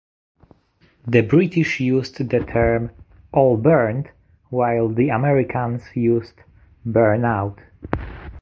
The British used the term "all-burnt" while the Americans used "burn-out.